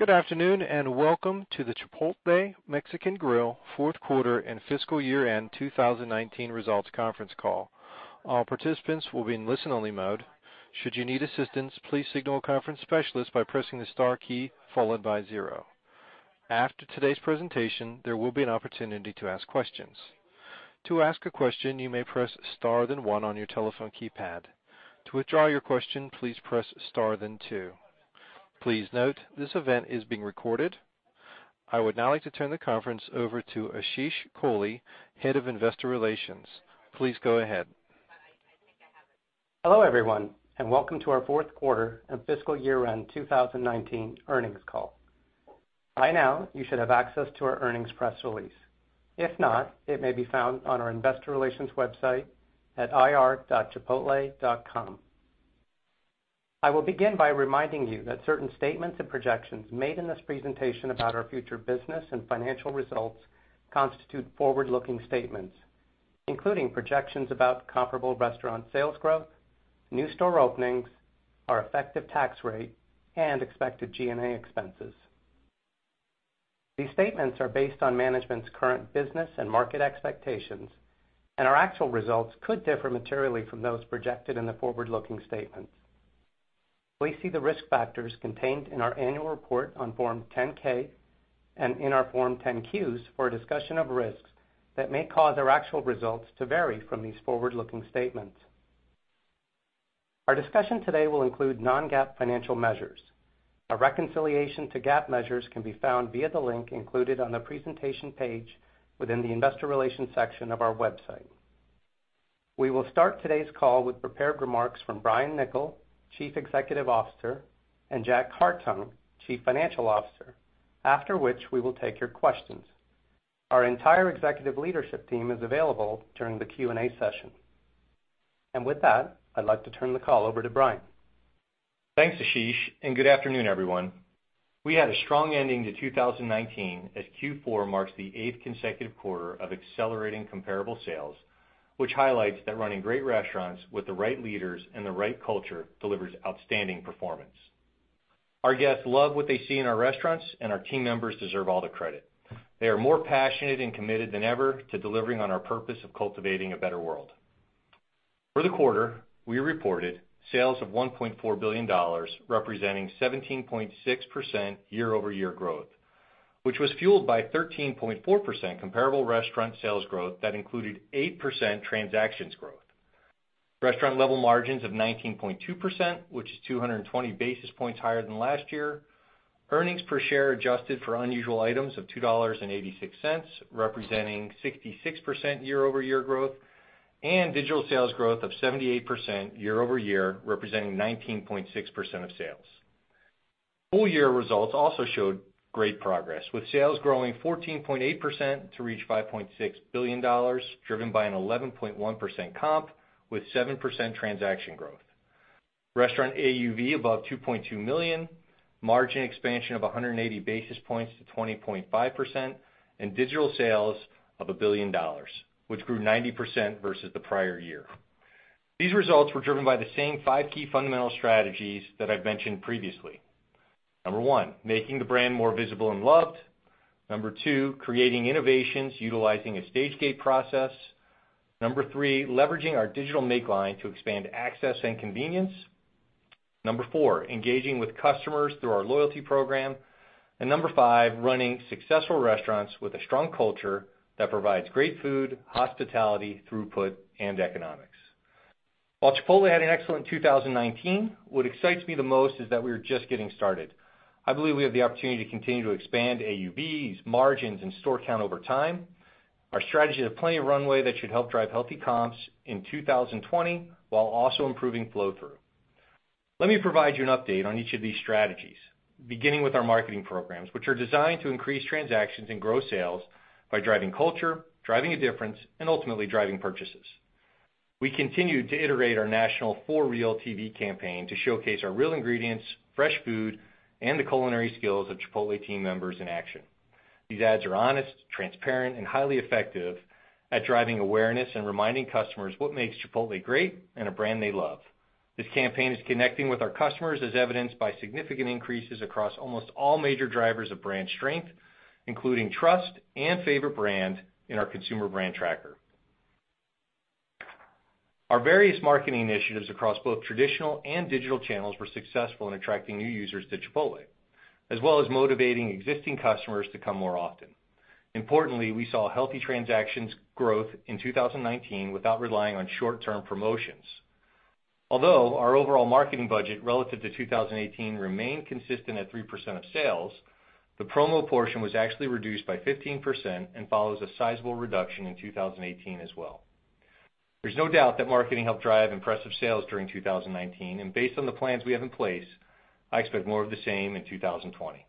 Good afternoon. Welcome to the Chipotle Mexican Grill fourth quarter and fiscal year end 2019 results conference call. All participants will be in listen-only mode. Should you need assistance, please signal a conference specialist by pressing the star key followed by zero. After today's presentation, there will be an opportunity to ask questions. To ask a question, you may press star then one on your telephone keypad. To withdraw your question, please press star then two. Please note, this event is being recorded. I would now like to turn the conference over to Ashish Kohli, Head of Investor Relations. Please go ahead. Hello, everyone, welcome to our fourth quarter and fiscal year end 2019 earnings call. By now, you should have access to our earnings press release. If not, it may be found on our Investor Relations website at ir.chipotle.com. I will begin by reminding you that certain statements and projections made in this presentation about our future business and financial results constitute forward-looking statements, including projections about comparable restaurant sales growth, new store openings, our effective tax rate, and expected G&A expenses. These statements are based on management's current business and market expectations, and our actual results could differ materially from those projected in the forward-looking statements. Please see the risk factors contained in our annual report on Form 10-K and in our Form 10-Q for a discussion of risks that may cause our actual results to vary from these forward-looking statements. Our discussion today will include non-GAAP financial measures. A reconciliation to GAAP measures can be found via the link included on the presentation page within the Investor Relations section of our website. We will start today's call with prepared remarks from Brian Niccol, Chief Executive Officer, and Jack Hartung, Chief Financial Officer, after which we will take your questions. Our entire executive leadership team is available during the Q&A session. With that, I'd like to turn the call over to Brian. Thanks, Ashish, and good afternoon, everyone. We had a strong ending to 2019 as Q4 marks the eighth consecutive quarter of accelerating comparable sales, which highlights that running great restaurants with the right leaders and the right culture delivers outstanding performance. Our guests love what they see in our restaurants and our team members deserve all the credit. They are more passionate and committed than ever to delivering on our purpose of cultivating a better world. For the quarter, we reported sales of $1.4 billion, representing 17.6% year-over-year growth, which was fueled by 13.4% comparable restaurant sales growth that included 8% transactions growth. Restaurant level margins of 19.2%, which is 220 basis points higher than last year. Earnings per share adjusted for unusual items of $2.86, representing 66% year-over-year growth. Digital sales growth of 78% year-over-year, representing 19.6% of sales. Full-year results also showed great progress, with sales growing 14.8% to reach $5.6 billion, driven by an 11.1% comp with 7% transaction growth. Restaurant AUV above $2.2 million, margin expansion of 180 basis points to 20.5%, and digital sales of $1 billion, which grew 90% versus the prior year. These results were driven by the same five key fundamental strategies that I've mentioned previously. Number one, making the brand more visible and loved. Number two, creating innovations utilizing a stage-gate process. Number three, leveraging our digital make line to expand access and convenience. Number four, engaging with customers through our loyalty program. Number five, running successful restaurants with a strong culture that provides great food, hospitality, throughput, and economics. While Chipotle had an excellent 2019, what excites me the most is that we are just getting started. I believe we have the opportunity to continue to expand AUVs, margins, and store count over time. Our strategy has plenty of runway that should help drive healthy comps in 2020 while also improving flow through. Let me provide you an update on each of these strategies, beginning with our marketing programs, which are designed to increase transactions and grow sales by driving culture, driving a difference, and ultimately driving purchases. We continue to iterate our national "For Real" TV campaign to showcase our real ingredients, fresh food, and the culinary skills of Chipotle team members in action. These ads are honest, transparent, and highly effective at driving awareness and reminding customers what makes Chipotle great and a brand they love. This campaign is connecting with our customers as evidenced by significant increases across almost all major drivers of brand strength, including trust and favorite brand in our consumer brand tracker. Our various marketing initiatives across both traditional and digital channels were successful in attracting new users to Chipotle, as well as motivating existing customers to come more often. Importantly, we saw healthy transactions growth in 2019 without relying on short-term promotions. Although our overall marketing budget relative to 2018 remained consistent at 3% of sales, the promo portion was actually reduced by 15% and follows a sizable reduction in 2018 as well. There's no doubt that marketing helped drive impressive sales during 2019, and based on the plans we have in place, I expect more of the same in 2020.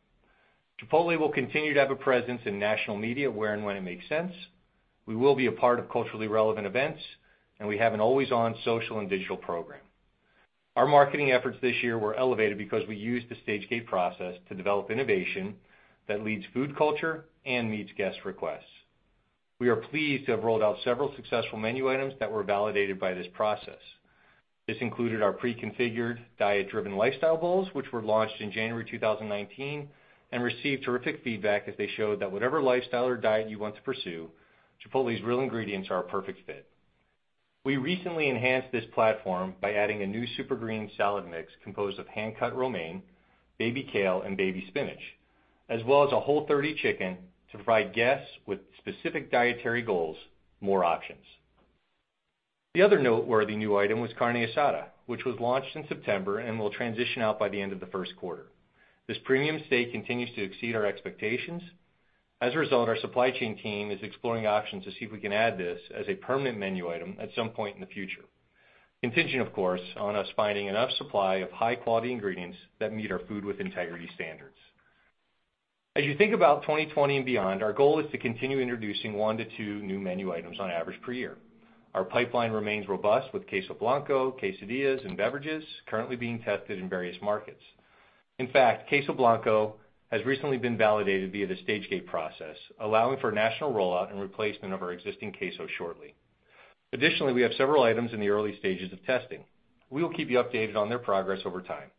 Chipotle will continue to have a presence in national media where and when it makes sense. We will be a part of culturally relevant events, and we have an always-on social and digital program. Our marketing efforts this year were elevated because we used the stage-gate process to develop innovation that leads food culture and meets guest requests. We are pleased to have rolled out several successful menu items that were validated by this process. This included our pre-configured diet-driven Lifestyle Bowls, which were launched in January 2019 and received terrific feedback as they showed that whatever lifestyle or diet you want to pursue, Chipotle's real ingredients are a perfect fit. We recently enhanced this platform by adding a new Supergreens salad mix composed of hand-cut romaine, baby kale, and baby spinach, as well as a Whole30 chicken to provide guests with specific dietary goals more options. The other noteworthy new item was Carne Asada, which was launched in September and will transition out by the end of the first quarter. This premium steak continues to exceed our expectations. As a result, our supply chain team is exploring options to see if we can add this as a permanent menu item at some point in the future, contingent, of course, on us finding enough supply of high-quality ingredients that meet our Food with Integrity standards. As you think about 2020 and beyond, our goal is to continue introducing one to two new menu items on average per year. Our pipeline remains robust with Queso Blanco, quesadillas, and beverages currently being tested in various markets. In fact, Queso Blanco has recently been validated via the stage-gate process, allowing for a national rollout and replacement of our existing queso shortly. Additionally, we have several items in the early stages of testing. We will keep you updated on their progress over time.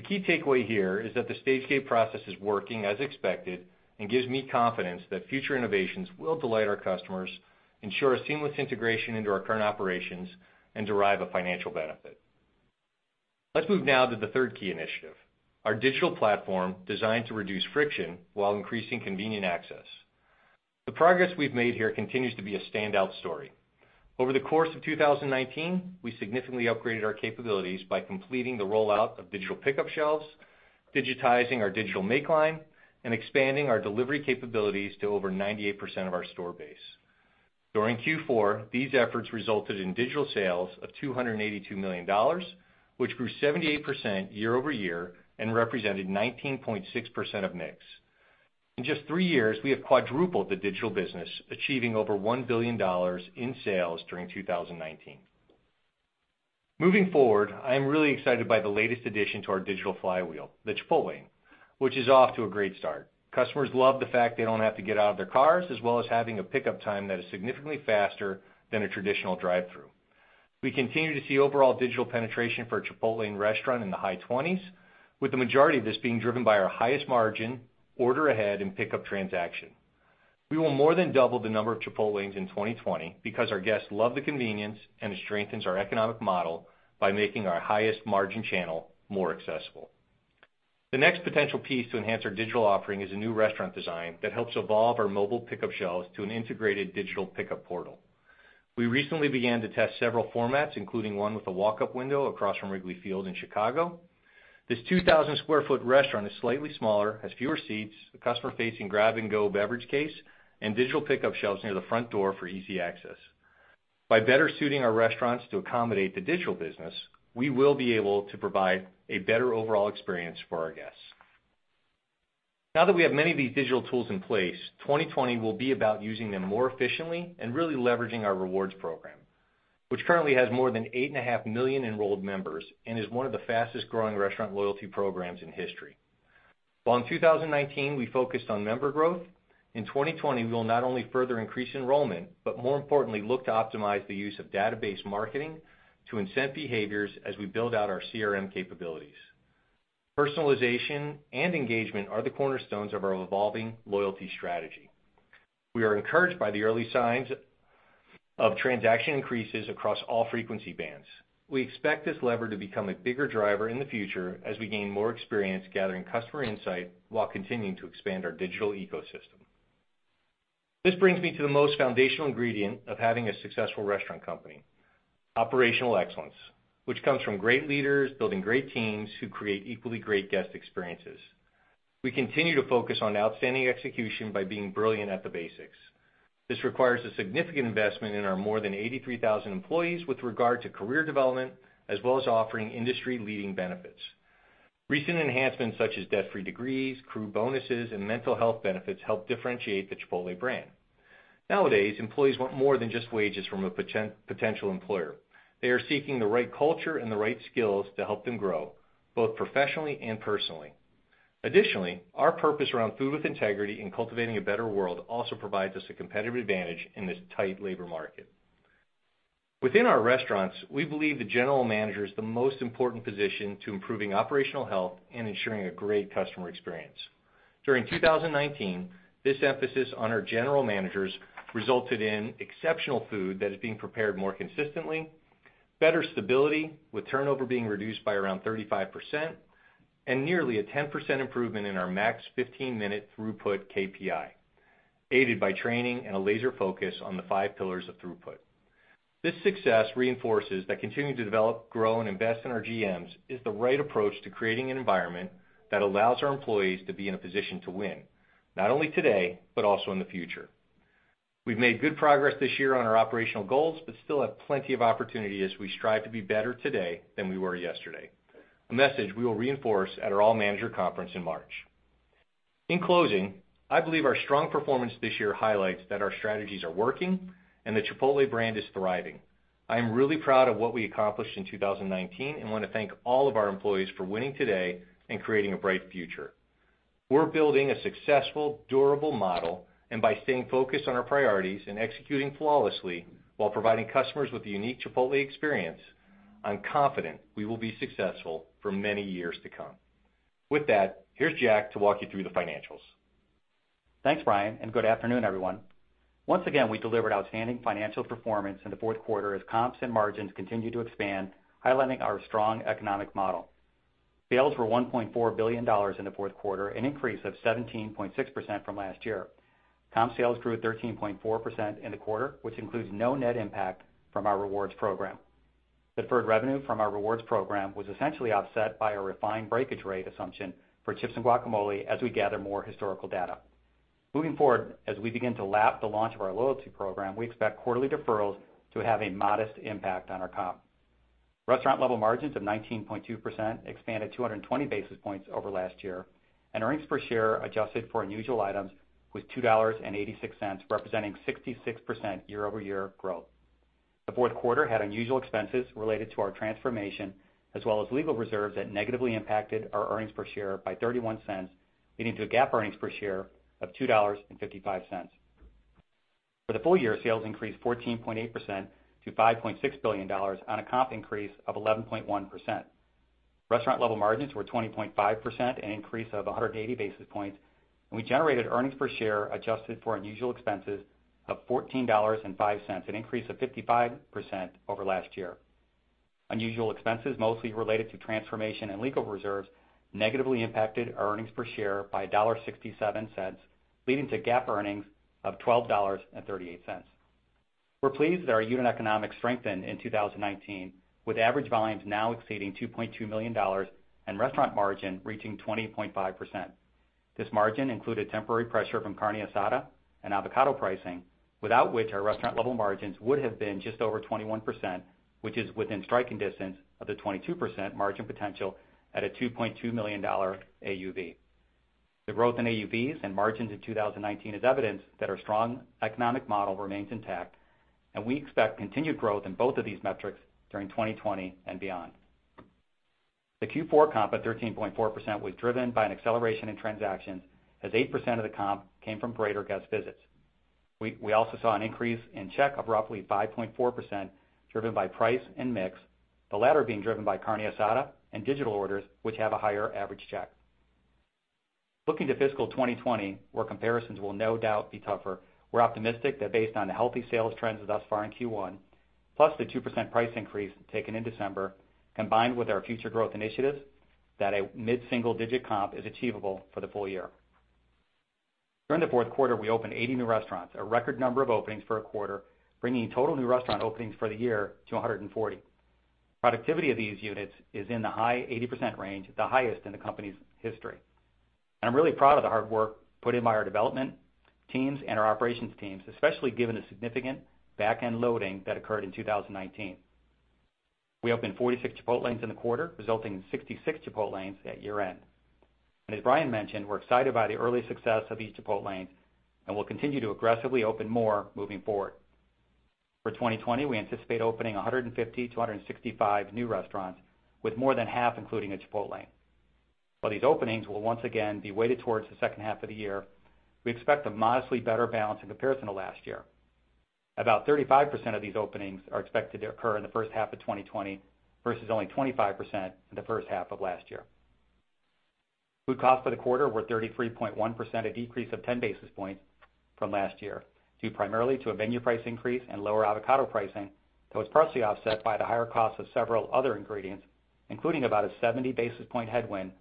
The key takeaway here is that the stage-gate process is working as expected and gives me confidence that future innovations will delight our customers, ensure a seamless integration into our current operations, and derive a financial benefit. Let's move now to the third key initiative, our digital platform designed to reduce friction while increasing convenient access. The progress we've made here continues to be a standout story. Over the course of 2019, we significantly upgraded our capabilities by completing the rollout of digital pickup shelves, digitizing our digital make line, and expanding our delivery capabilities to over 98% of our store base. During Q4, these efforts resulted in digital sales of $282 million, which grew 78% year-over-year and represented 19.6% of mix. In just three years, we have quadrupled the digital business, achieving over $1 billion in sales during 2019. Moving forward, I am really excited by the latest addition to our digital flywheel, the Chipotlane, which is off to a great start. Customers love the fact they don't have to get out of their cars, as well as having a pickup time that is significantly faster than a traditional drive-thru. We continue to see overall digital penetration for a Chipotlane restaurant in the high 20s, with the majority of this being driven by our highest margin order-ahead and pickup transaction. We will more than double the number of Chipotlanes in 2020 because our guests love the convenience, and it strengthens our economic model by making our highest margin channel more accessible. The next potential piece to enhance our digital offering is a new restaurant design that helps evolve our mobile pickup shelves to an integrated digital pickup portal. We recently began to test several formats, including one with a walk-up window across from Wrigley Field in Chicago. This 2,000 sq ft restaurant is slightly smaller, has fewer seats, a customer-facing grab-and-go beverage case, and digital pickup shelves near the front door for easy access. By better suiting our restaurants to accommodate the digital business, we will be able to provide a better overall experience for our guests. Now that we have many of these digital tools in place, 2020 will be about using them more efficiently and really leveraging our rewards program, which currently has more than 8.5 million enrolled members and is one of the fastest-growing restaurant loyalty programs in history. While in 2019, we focused on member growth, in 2020, we'll not only further increase enrollment, but more importantly, look to optimize the use of database marketing to incent behaviors as we build out our CRM capabilities. Personalization and engagement are the cornerstones of our evolving loyalty strategy. We are encouraged by the early signs of transaction increases across all frequency bands. We expect this lever to become a bigger driver in the future as we gain more experience gathering customer insight while continuing to expand our digital ecosystem. This brings me to the most foundational ingredient of having a successful restaurant company, operational excellence, which comes from great leaders building great teams who create equally great guest experiences. We continue to focus on outstanding execution by being brilliant at the basics. This requires a significant investment in our more than 83,000 employees with regard to career development, as well as offering industry-leading benefits. Recent enhancements such as Debt-Free Degrees, crew bonuses, and mental health benefits help differentiate the Chipotle brand. Nowadays, employees want more than just wages from a potential employer. They are seeking the right culture and the right skills to help them grow, both professionally and personally. Additionally, our purpose around Food with Integrity and cultivating a better world also provides us a competitive advantage in this tight labor market. Within our restaurants, we believe the general manager is the most important position to improving operational health and ensuring a great customer experience. During 2019, this emphasis on our general managers resulted in exceptional food that is being prepared more consistently, better stability, with turnover being reduced by around 35%, and nearly a 10% improvement in our max 15 minute throughput KPI, aided by training and a laser focus on the five pillars of throughput. This success reinforces that continuing to develop, grow, and invest in our GMs is the right approach to creating an environment that allows our employees to be in a position to win, not only today, but also in the future. We've made good progress this year on our operational goals, but still have plenty of opportunity as we strive to be better today than we were yesterday, a message we will reinforce at our All Manager Conference in March. In closing, I believe our strong performance this year highlights that our strategies are working and the Chipotle brand is thriving. I'm really proud of what we accomplished in 2019, and want to thank all of our employees for winning today and creating a bright future. We're building a successful, durable model, and by staying focused on our priorities and executing flawlessly while providing customers with a unique Chipotle experience, I'm confident we will be successful for many years to come. With that, here's Jack to walk you through the financials. Thanks, Brian, and good afternoon, everyone. Once again, we delivered outstanding financial performance in the fourth quarter as comps and margins continued to expand, highlighting our strong economic model. Sales were $1.4 billion in the fourth quarter, an increase of 17.6% from last year. Comp sales grew 13.4% in the quarter, which includes no net impact from our rewards program. Deferred revenue from our rewards program was essentially offset by a refined breakage rate assumption for chips and guacamole as we gather more historical data. Moving forward, as we begin to lap the launch of our loyalty program, we expect quarterly deferrals to have a modest impact on our comp. Restaurant level margins of 19.2% expanded 220 basis points over last year, and earnings per share adjusted for unusual items was $2.86, representing 66% year-over-year growth. The fourth quarter had unusual expenses related to our transformation, as well as legal reserves that negatively impacted our earnings per share by $0.31, leading to a GAAP earnings per share of $2.55. For the full-year, sales increased 14.8% to $5.6 billion on a comp increase of 11.1%. Restaurant level margins were 20.5%, an increase of 180 basis points, and we generated earnings per share adjusted for unusual expenses of $14.05, an increase of 55% over last year. Unusual expenses mostly related to transformation and legal reserves negatively impacted earnings per share by $1.67, leading to GAAP earnings of $12.38. We're pleased that our unit economics strengthened in 2019, with average volumes now exceeding $2.2 million and restaurant margin reaching 20.5%. This margin included temporary pressure from Carne Asada and avocado pricing, without which our restaurant level margins would have been just over 21%, which is within striking distance of the 22% margin potential at a $2.2 million AUV. The growth in AUVs and margins in 2019 is evidence that our strong economic model remains intact. We expect continued growth in both of these metrics during 2020 and beyond. The Q4 comp at 13.4% was driven by an acceleration in transactions, as 8% of the comp came from greater guest visits. We also saw an increase in check of roughly 5.4%, driven by price and mix, the latter being driven by Carne Asada and digital orders, which have a higher average check. Looking to fiscal 2020, where comparisons will no doubt be tougher, we're optimistic that based on the healthy sales trends thus far in Q1, plus the 2% price increase taken in December, combined with our future growth initiatives, that a mid-single-digit comp is achievable for the full-year. During the fourth quarter, we opened 80 new restaurants, a record number of openings for a quarter, bringing total new restaurant openings for the year to 140. Productivity of these units is in the high 80% range, the highest in the company's history. I'm really proud of the hard work put in by our development teams and our operations teams, especially given the significant back-end loading that occurred in 2019. We opened 46 Chipotlanes in the quarter, resulting in 66 Chipotlanes at year-end. As Brian mentioned, we're excited by the early success of each Chipotlane, and we'll continue to aggressively open more moving forward. For 2020, we anticipate opening 150-165 new restaurants, with more than half including a Chipotlane. While these openings will once again be weighted towards the second half of the year, we expect a modestly better balance in comparison to last year. About 35% of these openings are expected to occur in the first half of 2020, versus only 25% in the first half of last year. Food costs for the quarter were 33.1%, a decrease of 10 basis points from last year, due primarily to a menu price increase and lower avocado pricing, though it's partially offset by the higher cost of several other ingredients, including about a 70 basis point headwind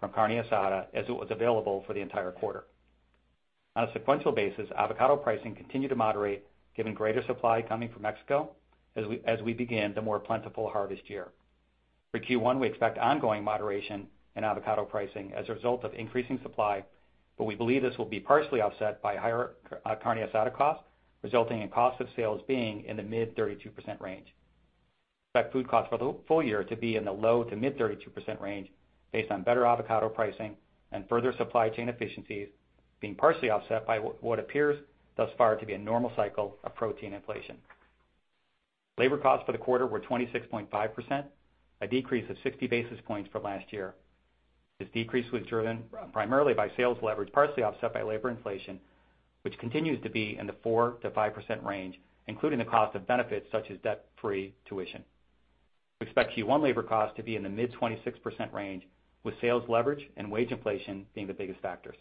from Carne Asada as it was available for the entire quarter. On a sequential basis, avocado pricing continued to moderate, given greater supply coming from Mexico as we begin the more plentiful harvest year. For Q1, we expect ongoing moderation in avocado pricing as a result of increasing supply, but we believe this will be partially offset by higher Carne Asada cost, resulting in cost of sales being in the mid 32% range. We expect food cost for the full-year to be in the low to mid 32% range based on better avocado pricing and further supply chain efficiencies being partially offset by what appears thus far to be a normal cycle of protein inflation. Labor costs for the quarter were 26.5%, a decrease of 60 basis points from last year. This decrease was driven primarily by sales leverage, partially offset by labor inflation, which continues to be in the 4%-5% range, including the cost of benefits such as debt-free tuition. We expect Q1 labor costs to be in the mid-26% range, with sales leverage and wage inflation being the biggest factors.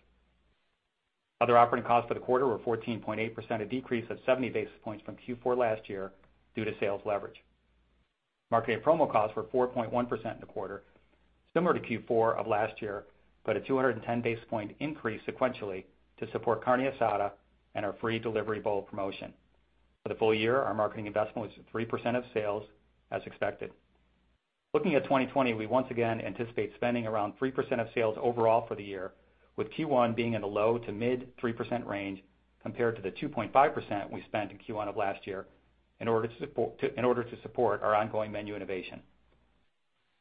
Other operating costs for the quarter were 14.8%, a decrease of 70 basis points from Q4 last year due to sales leverage. Marketing and promo costs were 4.1% in the quarter, similar to Q4 of last year, a 210 basis point increase sequentially to support Carne Asada and our free delivery bowl promotion. For the full-year, our marketing investment was 3% of sales as expected. Looking at 2020, we once again anticipate spending around 3% of sales overall for the year, with Q1 being in the low to mid-3% range compared to the 2.5% we spent in Q1 of last year in order to support our ongoing menu innovation.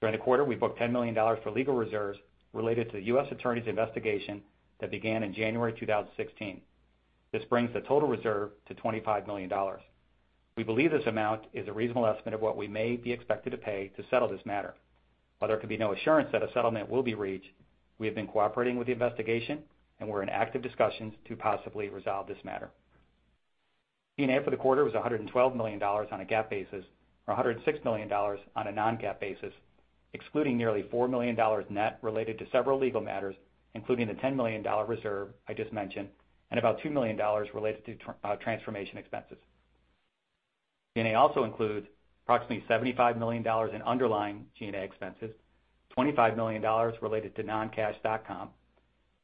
During the quarter, we booked $10 million for legal reserves related to the U.S. Attorney's investigation that began in January 2016. This brings the total reserve to $25 million. We believe this amount is a reasonable estimate of what we may be expected to pay to settle this matter. While there can be no assurance that a settlement will be reached, we have been cooperating with the investigation, and we're in active discussions to possibly resolve this matter. G&A for the quarter was $112 million on a GAAP basis or $106 million on a non-GAAP basis, excluding nearly $4 million net related to several legal matters, including the $10 million reserve I just mentioned, and about $2 million related to transformation expenses. G&A also includes approximately $75 million in underlying G&A expenses, $25 million related to non-cash stock comp,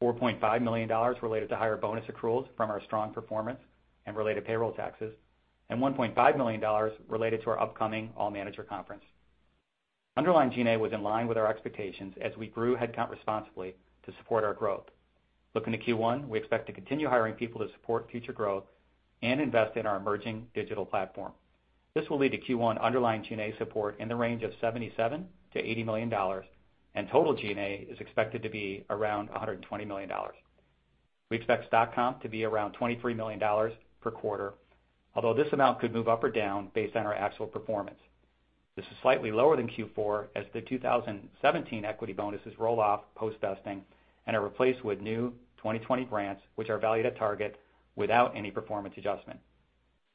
$4.5 million related to higher bonus accruals from our strong performance and related payroll taxes, and $1.5 million related to our upcoming All Manager Conference. Underlying G&A was in line with our expectations as we grew headcount responsibly to support our growth. Looking to Q1, we expect to continue hiring people to support future growth and invest in our emerging digital platform. This will lead to Q1 underlying G&A support in the range of $77 million-$80 million, and total G&A is expected to be around $120 million. We expect stock comp to be around $23 million per quarter, although this amount could move up or down based on our actual performance. This is slightly lower than Q4 as the 2017 equity bonuses roll off post-vesting and are replaced with new 2020 grants, which are valued at target without any performance adjustment.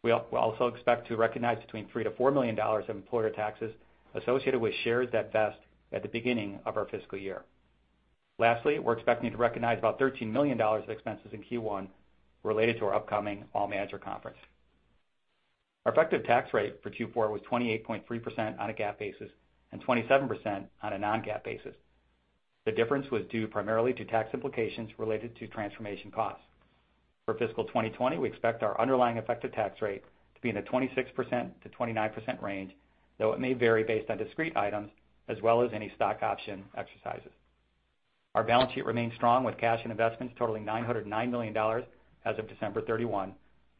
We also expect to recognize between $3 million-$4 million of employer taxes associated with shares that vest at the beginning of our fiscal year. Lastly, we're expecting to recognize about $13 million of expenses in Q1 related to our upcoming All Manager Conference. Our effective tax rate for Q4 was 28.3% on a GAAP basis and 27% on a non-GAAP basis. The difference was due primarily to tax implications related to transformation costs. For fiscal 2020, we expect our underlying effective tax rate to be in the 26%-29% range, though it may vary based on discrete items as well as any stock option exercises. Our balance sheet remains strong with cash and investments totaling $909 million as of December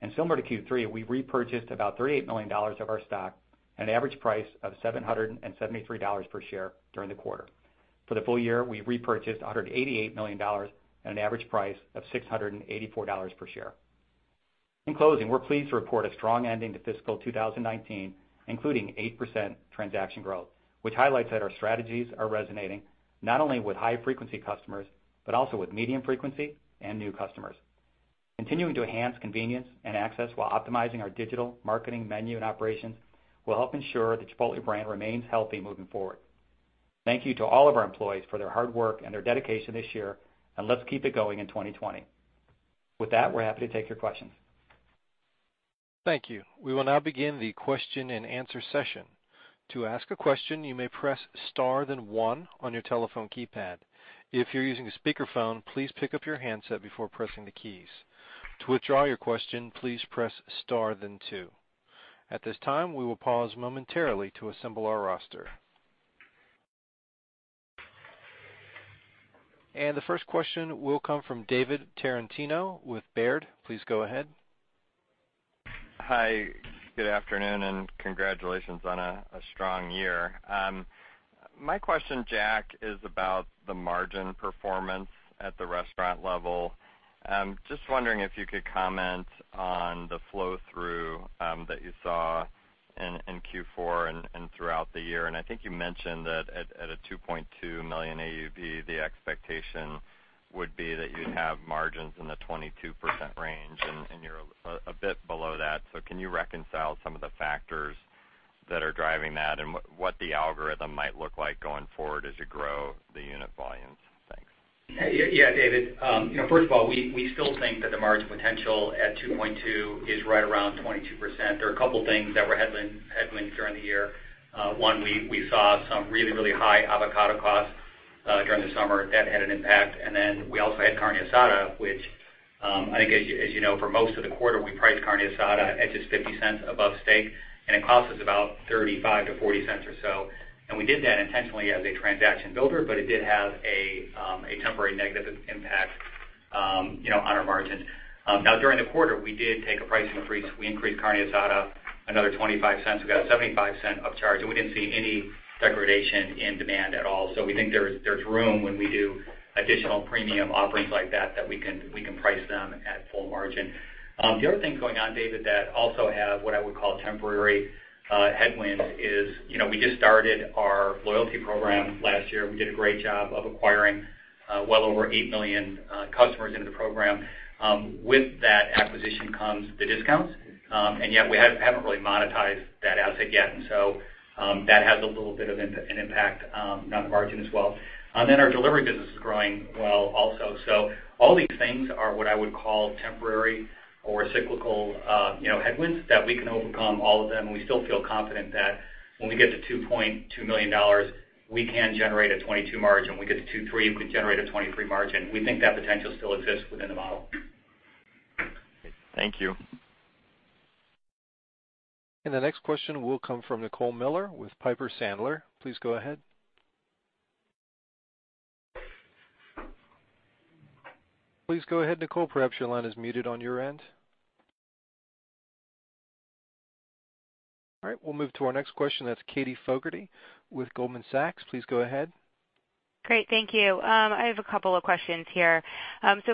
31. Similar to Q3, we repurchased about $38 million of our stock at an average price of $773 per share during the quarter. For the full-year, we repurchased $188 million at an average price of $684 per share. In closing, we're pleased to report a strong ending to fiscal 2019, including 8% transaction growth, which highlights that our strategies are resonating not only with high-frequency customers but also with medium-frequency and new customers. Continuing to enhance convenience and access while optimizing our digital marketing menu and operations will help ensure the Chipotle brand remains healthy moving forward. Thank you to all of our employees for their hard work and their dedication this year, and let's keep it going in 2020. With that, we're happy to take your questions. Thank you. We will now begin the question-and-answer session. To ask a question, you may press star then one on your telephone keypad. If you're using a speakerphone, please pick up your handset before pressing the keys. To withdraw your question, please press star then two. At this time, we will pause momentarily to assemble our roster. The first question will come from David Tarantino with Baird. Please go ahead. Hi. Good afternoon, congratulations on a strong year. My question, Jack, is about the margin performance at the restaurant level. Just wondering if you could comment on the flow-through that you saw in Q4 and throughout the year. I think you mentioned that at a $2.2 million AUV, the expectation would be that you'd have margins in the 22% range, and you're a bit below that. Can you reconcile some of the factors that are driving that and what the algorithm might look like going forward as you grow the unit volumes? Thanks. Yeah, David. First of all, we still think that the margin potential at $2.2 million is right around 22%. There are a couple things that were headwinds during the year. One, we saw some really, really high avocado costs during the summer that had an impact. We also had Carne Asada, which, I think as you know, for most of the quarter, we priced Carne Asada at just $0.50 above steak, and it cost us about $0.35-$0.40 or so. We did that intentionally as a transaction builder, but it did have a temporary negative impact on our margin. Now, during the quarter, we did take a pricing increase. We increased Carne Asada another $0.25. We got a $0.75 upcharge, and we didn't see any degradation in demand at all. We think there's room when we do additional premium offerings like that we can price them at full margin. The other thing going on, David, that also have what I would call temporary headwind is we just started our loyalty program last year. We did a great job of acquiring well over 8 million customers into the program. With that acquisition comes the discounts, and yet we haven't really monetized that asset yet, and so that has a little bit of an impact on the margin as well. Our delivery business is growing well also. All these things are what I would call temporary or cyclical headwinds that we can overcome all of them, and we still feel confident that when we get to $2.2 million, we can generate a 22% margin. We get to $2.3 million, we could generate a 23% margin. We think that potential still exists within the model. Thank you. The next question will come from Nicole Miller with Piper Sandler. Please go ahead. Please go ahead, Nicole. Perhaps your line is muted on your end. All right, we'll move to our next question. That's Katie Fogertey with Goldman Sachs. Please go ahead. Great, thank you. I have a couple of questions here.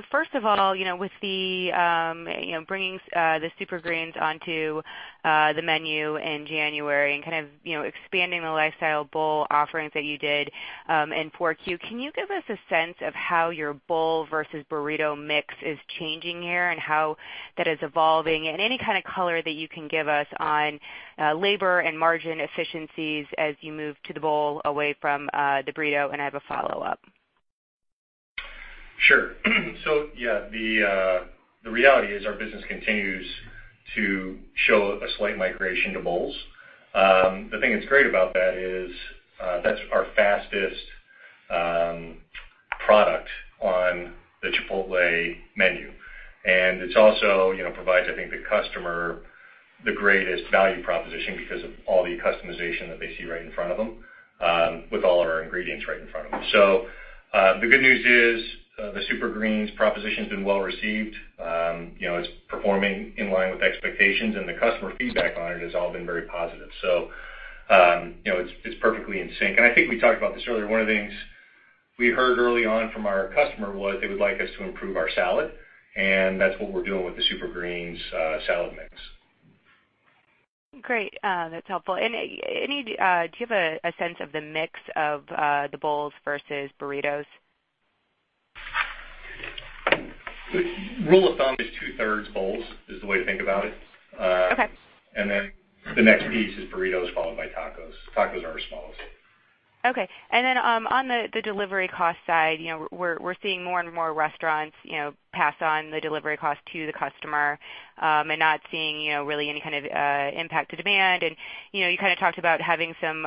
First of all, with the bringing the Supergreens onto the menu in January and expanding the Lifestyle Bowl offerings that you did in 4Q, can you give us a sense of how your bowl versus burrito mix is changing here and how that is evolving, and any kind of color that you can give us on labor and margin efficiencies as you move to the bowl away from the burrito? I have a follow-up. Sure. Yeah, the reality is our business continues to show a slight migration to bowls. The thing that's great about that is that's our fastest product on the Chipotle menu, and it also provides, I think, the customer the greatest value proposition because of all the customization that they see right in front of them, with all of our ingredients right in front of them. The good news is, the Supergreens proposition's been well received. It's performing in line with expectations, and the customer feedback on it has all been very positive. It's perfectly in sync, and I think we talked about this earlier. One of the things we heard early on from our customer was they would like us to improve our salad, and that's what we're doing with the Supergreens salad mix. Great. That's helpful. Do you have a sense of the mix of the bowls versus burritos? Rule of thumb is 2/3 bowls, is the way to think about it. Okay. The next piece is burritos followed by tacos. Tacos are our smallest. On the delivery cost side, we're seeing more and more restaurants pass on the delivery cost to the customer, and not seeing really any kind of impact to demand. You talked about having some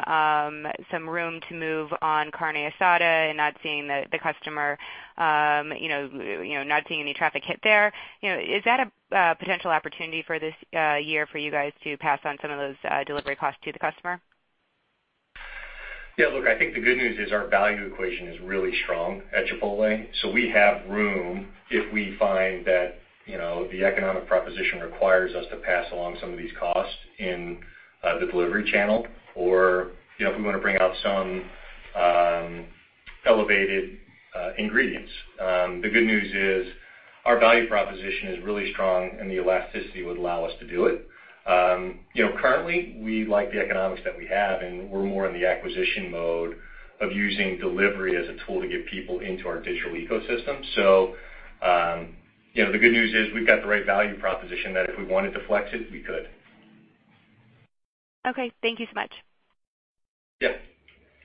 room to move on Carne Asada and not seeing any traffic hit there. Is that a potential opportunity for this year for you guys to pass on some of those delivery costs to the customer? Yeah, look, I think the good news is our value equation is really strong at Chipotle. We have room if we find that the economic proposition requires us to pass along some of these costs in the delivery channel or if we want to bring out some elevated ingredients. The good news is our value proposition is really strong, and the elasticity would allow us to do it. Currently, we like the economics that we have, and we're more in the acquisition mode of using delivery as a tool to get people into our digital ecosystem. The good news is we've got the right value proposition that if we wanted to flex it, we could. Okay. Thank you so much. Yeah.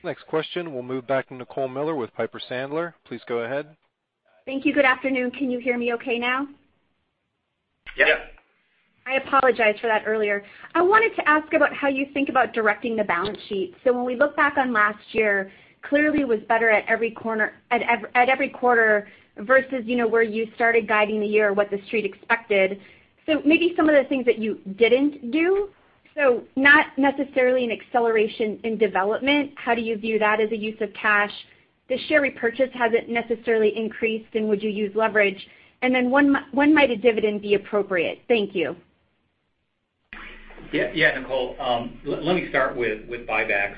Next question. We'll move back to Nicole Miller with Piper Sandler. Please go ahead. Thank you. Good afternoon. Can you hear me okay now? Yeah. I apologize for that earlier. I wanted to ask about how you think about directing the balance sheet. When we look back on last year, clearly was better at every quarter versus where you started guiding the year, what TheStreet expected. Maybe some of the things that you didn't do. Not necessarily an acceleration in development, how do you view that as a use of cash? The share repurchase hasn't necessarily increased, would you use leverage? When might a dividend be appropriate? Thank you. Yeah, Nicole. Let me start with buybacks.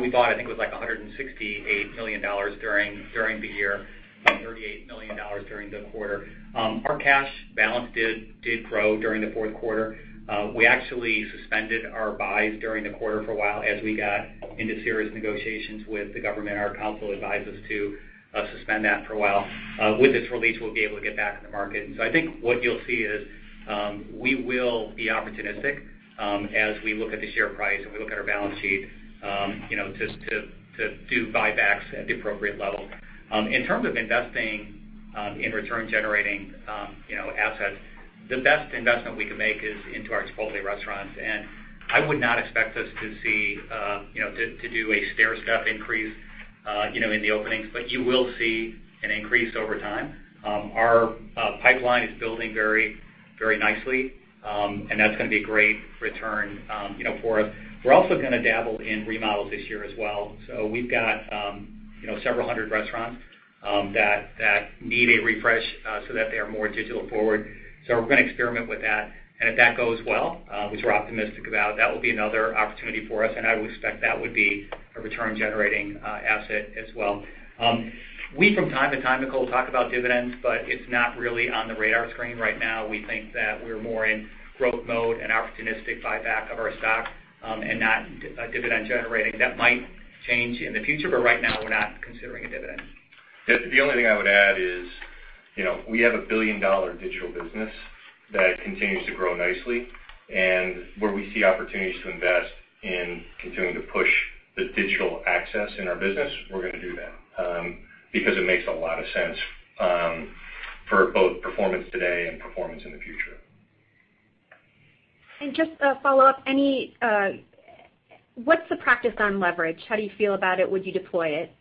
We bought, I think it was like $168 million during the year and $38 million during the quarter. Our cash balance did grow during the fourth quarter. We actually suspended our buys during the quarter for a while as we got into serious negotiations with the government. Our counsel advised us to suspend that for a while. With this release, we'll be able to get back in the market. I think what you'll see is we will be opportunistic as we look at the share price and we look at our balance sheet to do buybacks at the appropriate level. In terms of investing in return-generating assets, the best investment we can make is into our Chipotle restaurants, and I would not expect us to do a stair-step increase in the openings. You will see an increase over time. Our pipeline is building very nicely, and that's going to be a great return for us. We're also going to dabble in remodels this year as well. We've got several hundred restaurants that need a refresh so that they are more digital forward. We're going to experiment with that. If that goes well, which we're optimistic about, that will be another opportunity for us. I would expect that would be a return-generating asset as well. We from time to time, Nicole, talk about dividends. It's not really on the radar screen right now. We think that we're more in growth mode and opportunistic buyback of our stock. Not dividend generating. That might change in the future. Right now, we're not considering a dividend. The only thing I would add is we have a billion-dollar digital business that continues to grow nicely, and where we see opportunities to invest in continuing to push the digital access in our business, we're going to do that because it makes a lot of sense for both performance today and performance in the future. Just a follow-up. What's the practice on leverage? How do you feel about it? Would you deploy it?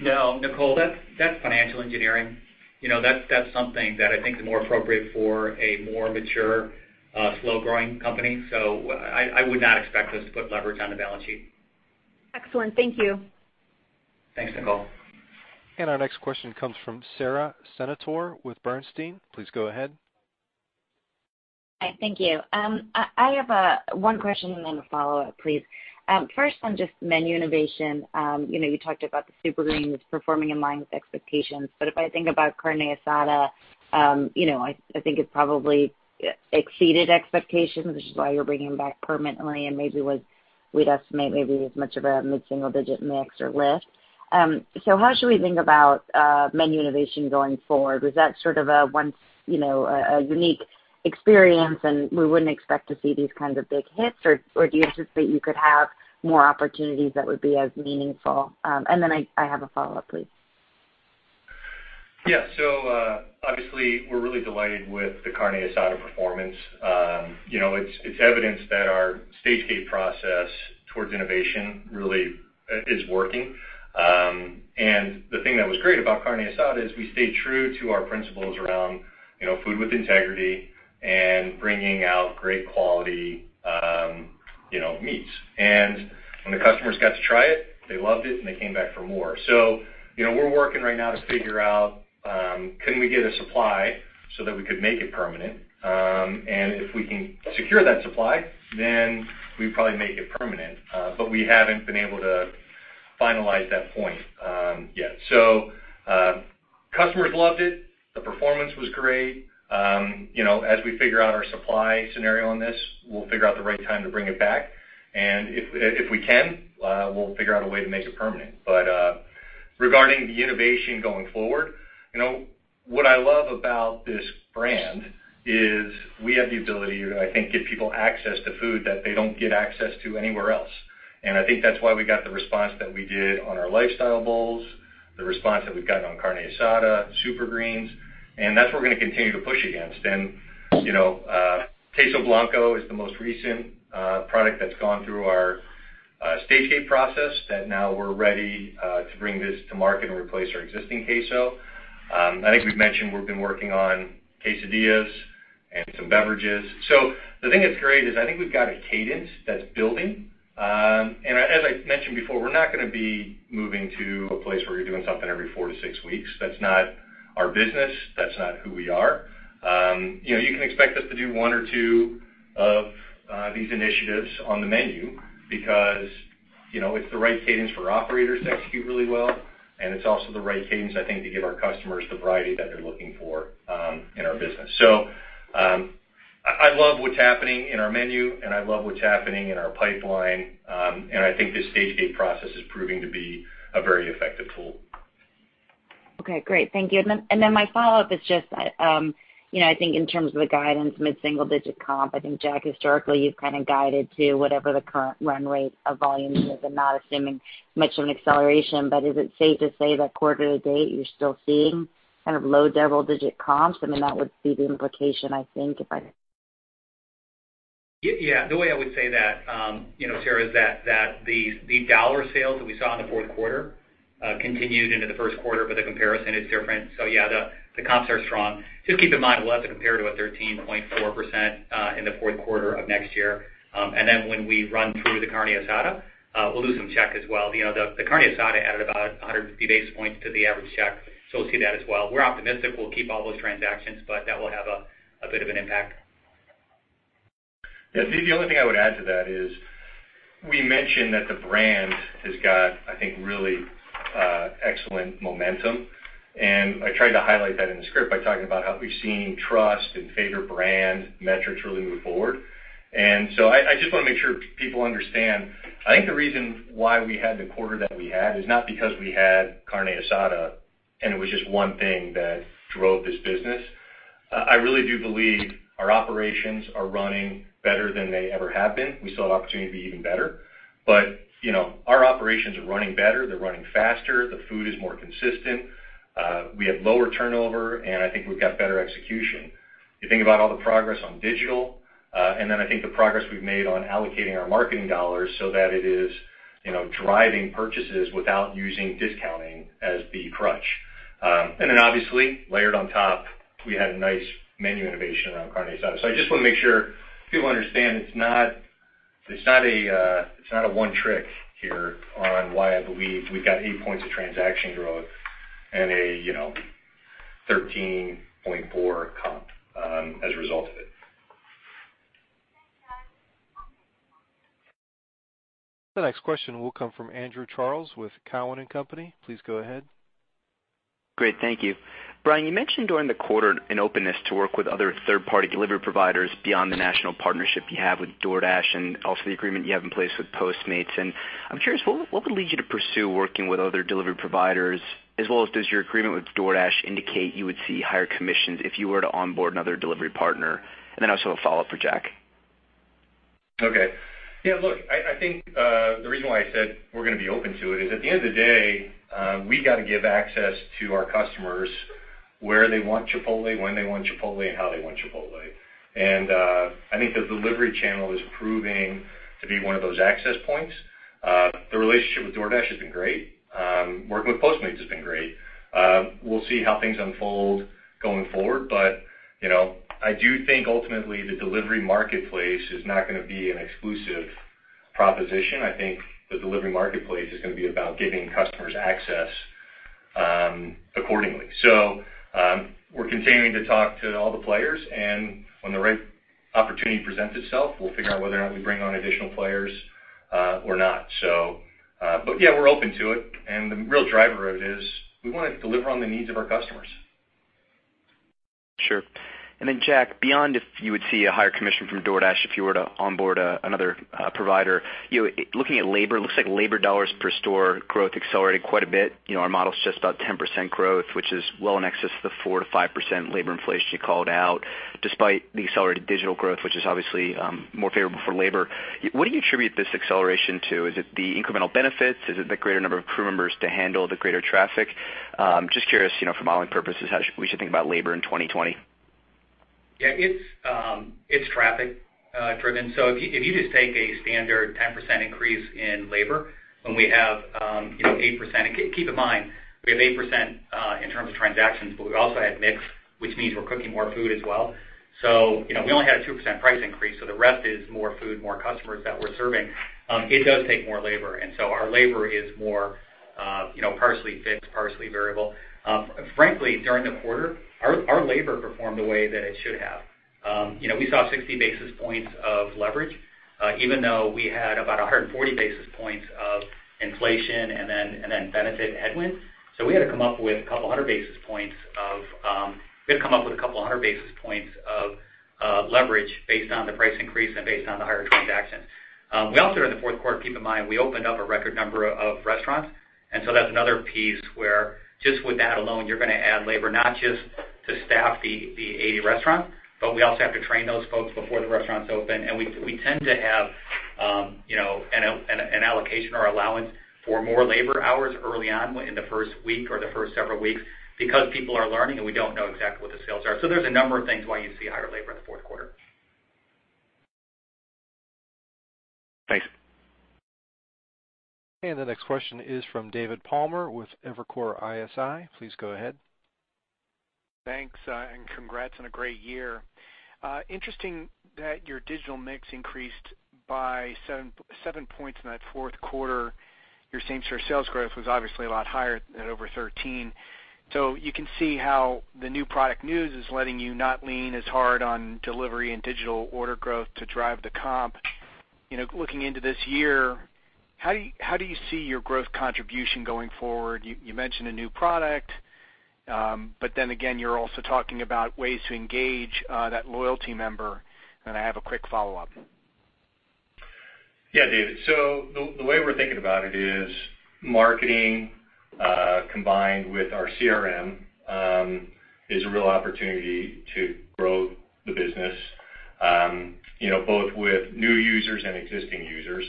No, Nicole, that's financial engineering. That's something that I think is more appropriate for a more mature, slow-growing company. I would not expect us to put leverage on the balance sheet. Excellent. Thank you. Thanks, Nicole. Our next question comes from Sara Senatore with Bernstein. Please go ahead. Thank you. I have one question and then a follow-up, please. First on just menu innovation. You talked about the Supergreens was performing in line with expectations. If I think about Carne Asada, I think it probably exceeded expectations, which is why you're bringing it back permanently and maybe was, we'd estimate maybe as much of a mid-single-digit mix or lift. How should we think about menu innovation going forward? Was that sort of a unique experience and we wouldn't expect to see these kinds of big hits? Do you anticipate you could have more opportunities that would be as meaningful? I have a follow-up, please. Yeah. Obviously we're really delighted with the Carne Asada performance. It's evidence that our stage-gate process towards innovation really is working. The thing that was great about Carne Asada is we stayed true to our principles around Food with Integrity and bringing out great quality meats. When the customers got to try it, they loved it and they came back for more. We're working right now to figure out, can we get a supply so that we could make it permanent. If we can secure that supply, we probably make it permanent. We haven't been able to finalize that point yet. Customers loved it. The performance was great. As we figure out our supply scenario on this, we'll figure out the right time to bring it back, and if we can, we'll figure out a way to make it permanent. Regarding the innovation going forward, what I love about this brand is we have the ability to, I think, give people access to food that they don't get access to anywhere else. I think that's why we got the response that we did on our Lifestyle Bowls, the response that we've gotten on Carne Asada, Supergreens, and that's where we're going to continue to push against. Queso Blanco is the most recent product that's gone through our stage-gate process that now we're ready to bring this to market and replace our existing queso. I think we've mentioned we've been working on quesadillas and some beverages. The thing that's great is I think we've got a cadence that's building. As I mentioned before, we're not going to be moving to a place where you're doing something every four to six weeks. That's not our business. That's not who we are. You can expect us to do one or two of these initiatives on the menu because it's the right cadence for operators to execute really well, and it's also the right cadence, I think, to give our customers the variety that they're looking for in our business. I love what's happening in our menu, and I love what's happening in our pipeline. I think this stage-gate process is proving to be a very effective tool. Okay, great. Thank you. My follow-up is just I think in terms of the guidance, mid-single-digit comp, I think Jack, historically, you've kind of guided to whatever the current run rate of volume is and not assuming much of an acceleration. Is it safe to say that quarter-to-date, you're still seeing low-double-digit comps? That would be the implication, I think, if I? Yeah. The way I would say that, Sara, is that the dollar sales that we saw in the fourth quarter continued into the first quarter. The comparison is different. Yeah, the comps are strong. Just keep in mind, we'll have to compare to a 13.4% in the fourth quarter of next year. When we run through the Carne Asada, we'll lose some check as well. The Carne Asada added about 150 basis points to the average check. We'll see that as well. We're optimistic we'll keep all those transactions. That will have a bit of an impact. The only thing I would add to that is we mentioned that the brand has got, I think, really excellent momentum, I tried to highlight that in the script by talking about how we've seen trust and favor brand metrics really move forward. I just want to make sure people understand, I think the reason why we had the quarter that we had is not because we had Carne Asada and it was just one thing that drove this business. I really do believe our operations are running better than they ever have been. We still have opportunity to be even better. Our operations are running better. They're running faster. The food is more consistent. We have lower turnover, and I think we've got better execution. You think about all the progress on digital, and then I think the progress we've made on allocating our marketing dollars so that it is driving purchases without using discounting as the crutch. Obviously layered on top, we had a nice menu innovation around Carne Asada. I just want to make sure people understand it's not a one trick here on why I believe we've got eight points of transaction growth and a 13.4% comp as a result of it. The next question will come from Andrew Charles with Cowen and Company. Please go ahead. Great. Thank you. Brian, you mentioned during the quarter an openness to work with other third-party delivery providers beyond the national partnership you have with DoorDash and also the agreement you have in place with Postmates. I'm curious, what would lead you to pursue working with other delivery providers? As well as does your agreement with DoorDash indicate you would see higher commissions if you were to onboard another delivery partner? Also a follow-up for Jack. Okay. Yeah, look, I think, the reason why I said we're going to be open to it is at the end of the day, we got to give access to our customers where they want Chipotle, when they want Chipotle, and how they want Chipotle. I think the delivery channel is proving to be one of those access points. The relationship with DoorDash has been great. Working with Postmates has been great. We'll see how things unfold going forward. I do think ultimately the delivery marketplace is not going to be an exclusive proposition. I think the delivery marketplace is going to be about giving customers access accordingly. We're continuing to talk to all the players, and when the right opportunity presents itself, we'll figure out whether or not we bring on additional players or not. Yeah, we're open to it, and the real driver of it is we want to deliver on the needs of our customers. Then Jack, beyond if you would see a higher commission from DoorDash if you were to onboard another provider, looking at labor, it looks like labor dollars per store growth accelerated quite a bit. Our model's just about 10% growth, which is well in excess of the 4%-5% labor inflation you called out, despite the accelerated digital growth, which is obviously more favorable for labor. What do you attribute this acceleration to? Is it the incremental benefits? Is it the greater number of crew members to handle the greater traffic? Just curious, from modeling purposes, how we should think about labor in 2020. Yeah, it's traffic-driven. If you just take a standard 10% increase in labor when we have 8%, and keep in mind, we have 8% in terms of transactions, but we also had mix, which means we're cooking more food as well. We only had a 2% price increase, so the rest is more food, more customers that we're serving. It does take more labor, and so our labor is more partially fixed, partially variable. Frankly, during the quarter, our labor performed the way that it should have. We saw 60 basis points of leverage, even though we had about 140 basis points of inflation and then benefit headwind. We had to come up with a couple of hundred basis points of leverage based on the price increase and based on the higher transactions. We also, during the fourth quarter, keep in mind, we opened up a record number of restaurants, that's another piece where just with that alone, you're going to add labor not just to staff the 80 restaurants, but we also have to train those folks before the restaurants open. We tend to have an allocation or allowance for more labor hours early on in the first week or the first several weeks because people are learning, and we don't know exactly what the sales are. There's a number of things why you see higher labor in the fourth quarter. Thanks. The next question is from David Palmer with Evercore ISI. Please go ahead. Thanks. Congrats on a great year. Interesting that your digital mix increased by seven points in that fourth quarter. Your same-store sales growth was obviously a lot higher at over 13. You can see how the new product news is letting you not lean as hard on delivery and digital order growth to drive the comp. Looking into this year, how do you see your growth contribution going forward? You mentioned a new product. Again, you're also talking about ways to engage that loyalty member. I have a quick follow-up. Yeah, David. The way we're thinking about it is marketing, combined with our CRM, is a real opportunity to grow the business, both with new users and existing users.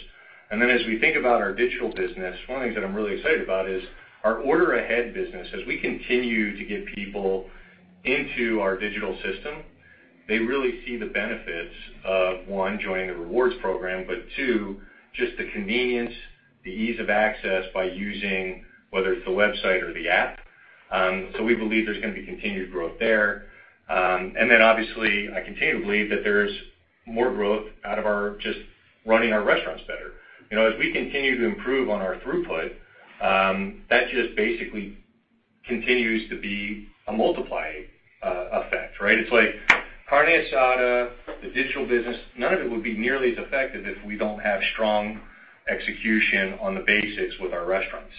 As we think about our digital business, one of the things that I'm really excited about is our order-ahead business. As we continue to get people into our digital system, they really see the benefits of, one, joining the rewards program, but two, just the convenience, the ease of access by using whether it's the website or the app. We believe there's going to be continued growth there. Obviously, I continue to believe that there's more growth out of our just running our restaurants better. As we continue to improve on our throughput, that just basically continues to be a multiplying effect, right? It's like Carne Asada, the digital business, none of it would be nearly as effective if we don't have strong execution on the basics with our restaurants.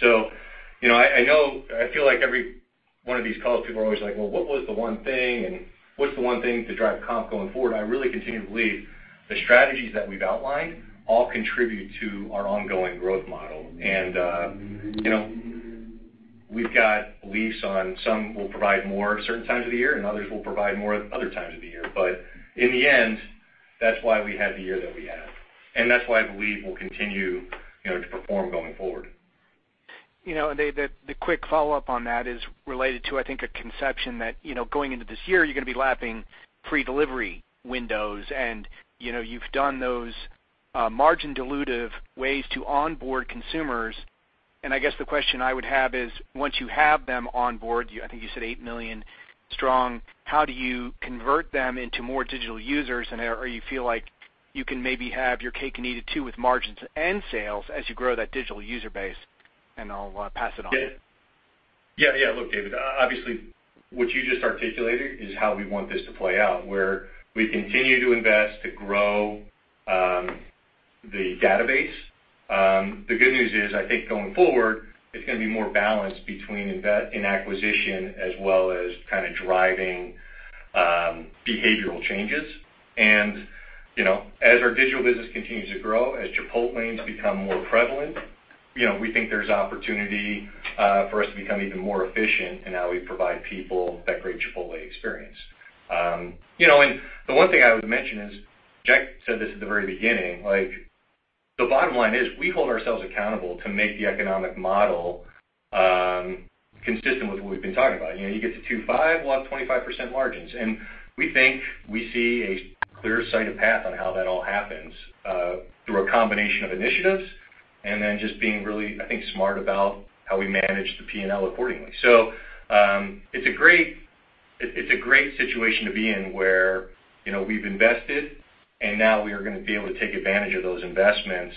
I know I feel like every one of these calls, people are always like, "Well, what was the one thing, and what's the one thing to drive comp going forward?" I really continue to believe the strategies that we've outlined all contribute to our ongoing growth model. We've got beliefs on some will provide more certain times of the year, and others will provide more other times of the year. In the end, that's why we had the year that we had, and that's why I believe we'll continue to perform going forward. The quick follow-up on that is related to, I think, a conception that, going into this year, you're going to be lapping free delivery windows, and you've done those margin-dilutive ways to onboard consumers. I guess the question I would have is, once you have them on board, I think you said 8 million strong, how do you convert them into more digital users? You feel like you can maybe have your cake and eat it too with margins and sales as you grow that digital user base? I'll pass it on. Yeah. Look, David, obviously, what you just articulated is how we want this to play out, where we continue to invest to grow the database. The good news is, I think going forward, it's going to be more balanced between invest in acquisition as well as kind of driving behavioral changes. As our digital business continues to grow, as Chipotlanes become more prevalent, we think there's opportunity for us to become even more efficient in how we provide people that great Chipotle experience. The one thing I would mention is, Jack said this at the very beginning. The bottom line is we hold ourselves accountable to make the economic model consistent with what we've been talking about. You get to $2.5 million, we'll have 25% margins. We think we see a clear sight of path on how that all happens, through a combination of initiatives. Just being really, I think, smart about how we manage the P&L accordingly. It's a great situation to be in where we've invested, and now we are going to be able to take advantage of those investments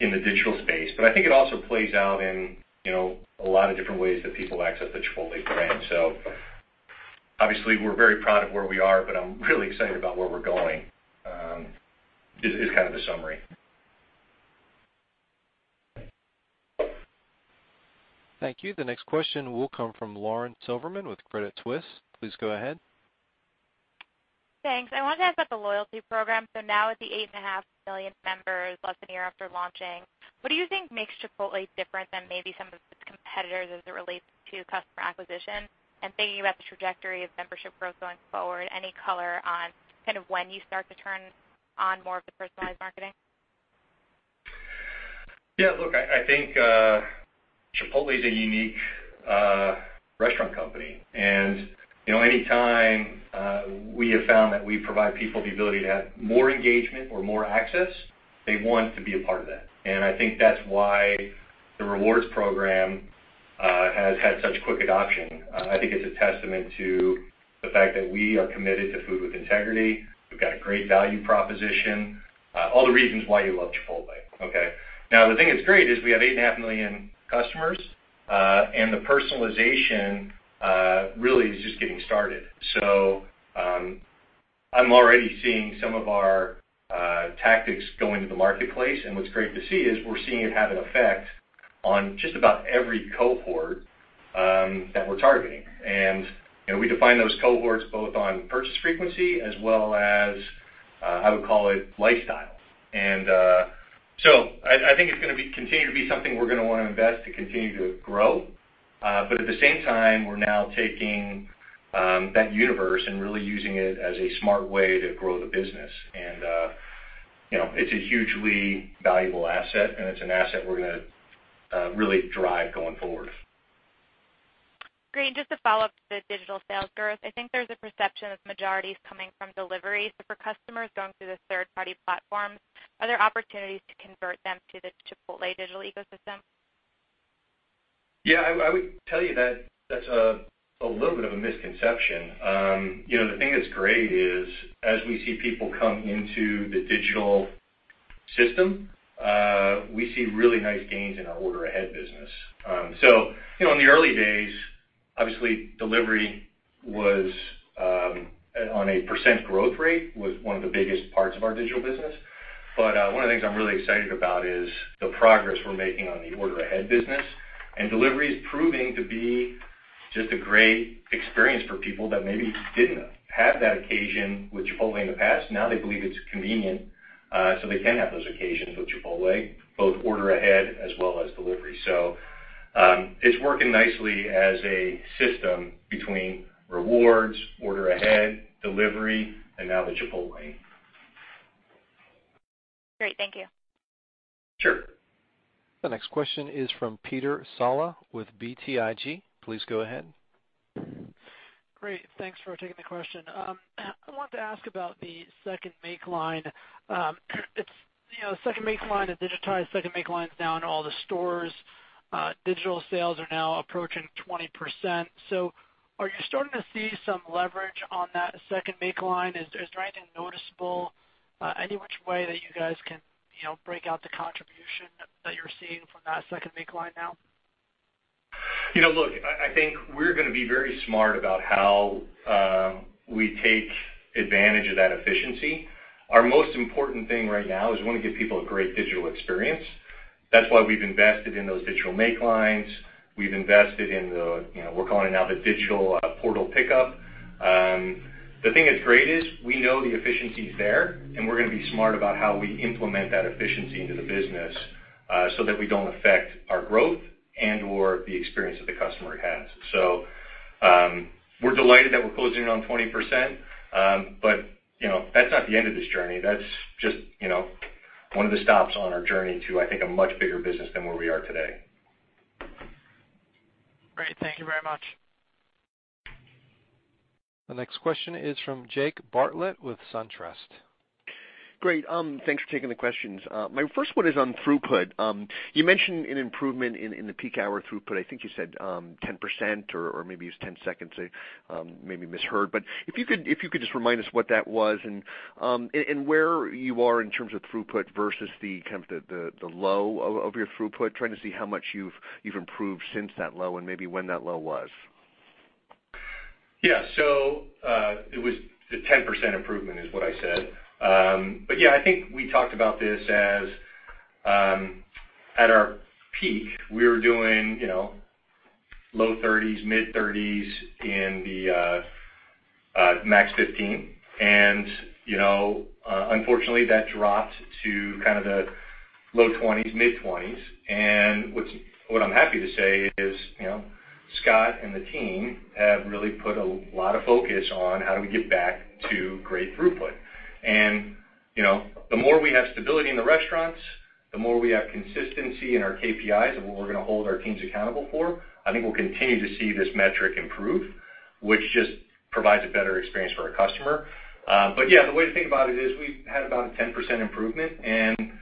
in the digital space. I think it also plays out in a lot of different ways that people access the Chipotle brand. Obviously, we're very proud of where we are, but I'm really excited about where we're going. This is kind of the summary. Thank you. The next question will come from Lauren Silberman with Credit Suisse. Please go ahead. Thanks. I wanted to ask about the loyalty program. Now with the 8.5 million members less than a year after launching, what do you think makes Chipotle different than maybe some of its competitors as it relates to customer acquisition? Thinking about the trajectory of membership growth going forward, any color on kind of when you start to turn on more of the personalized marketing? Yeah, look, I think Chipotle is a unique restaurant company, and any time we have found that we provide people the ability to have more engagement or more access, they want to be a part of that. I think that's why the rewards program has had such quick adoption. I think it's a testament to the fact that we are committed to Food with Integrity. We've got a great value proposition, all the reasons why you love Chipotle. Okay? Now, the thing that's great is we have 8.5 million customers, and the personalization really is just getting started. I'm already seeing some of our tactics go into the marketplace, and what's great to see is we're seeing it have an effect on just about every cohort that we're targeting. We define those cohorts both on purchase frequency as well as, I would call it, lifestyle. I think it's going to continue to be something we're going to want to invest to continue to grow. At the same time, we're now taking that universe and really using it as a smart way to grow the business. It's a hugely valuable asset, and it's an asset we're going to really drive going forward. Great. Just to follow up to the digital sales growth, I think there's a perception that the majority is coming from delivery. For customers going through the third-party platforms, are there opportunities to convert them to the Chipotle digital ecosystem? Yeah, I would tell you that's a little bit of a misconception. The thing that's great is, as we see people come into the digital system, we see really nice gains in our order-ahead business. In the early days, obviously, delivery, on a percent growth rate, was one of the biggest parts of our digital business. One of the things I'm really excited about is the progress we're making on the order-ahead business, and delivery is proving to be just a great experience for people that maybe didn't have that occasion with Chipotle in the past. Now they believe it's convenient, so they can have those occasions with Chipotle, both order-ahead as well as delivery. It's working nicely as a system between rewards, order-ahead, delivery, and now the Chipotlane. Great. Thank you. Sure. The next question is from Peter Saleh with BTIG. Please go ahead. Great. Thanks for taking the question. I wanted to ask about the second make line. The digitized second make line is now in all the stores. Digital sales are now approaching 20%. Are you starting to see some leverage on that second make line? Is there anything noticeable, any which way that you guys can break out the contribution that you're seeing from that second make line now? Look, I think we're going to be very smart about how we take advantage of that efficiency. Our most important thing right now is we want to give people a great digital experience. That's why we've invested in those digital make lines. We've invested in the, we're calling it now, the digital pickup portal. The thing that's great is we know the efficiency is there, and we're going to be smart about how we implement that efficiency into the business so that we don't affect our growth and/or the experience that the customer has. We're delighted that we're closing in on 20%, but that's not the end of this journey. That's just one of the stops on our journey to, I think, a much bigger business than where we are today. Great. Thank you very much. The next question is from Jake Bartlett with SunTrust. Great. Thanks for taking the questions. My first one is on throughput. You mentioned an improvement in the peak hour throughput. I think you said 10% or maybe it's 10 seconds. I maybe misheard. If you could just remind us what that was and where you are in terms of throughput versus the low of your throughput. Trying to see how much you've improved since that low and maybe when that low was. Yeah. It was the 10% improvement is what I said. I think we talked about this as at our peak, we were doing low-30s, mid-30s in the max 15%, and unfortunately, that dropped to kind of the low-20s, mid-20s. What I'm happy to say is Scott and the team have really put a lot of focus on how do we get back to great throughput. The more we have stability in the restaurants, the more we have consistency in our KPIs of what we're going to hold our teams accountable for. I think we'll continue to see this metric improve, which just provides a better experience for our customer. The way to think about it is we had about a 10% improvement, and